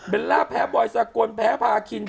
เบลล่าแพ้บอยซฯแพ้พาคิน